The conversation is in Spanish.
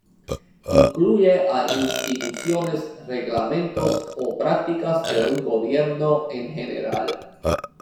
Incluye a instituciones, reglamentos o prácticas de un gobierno en general.